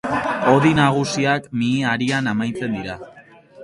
Hodi nagusiak, mihi harian amaitzen dira.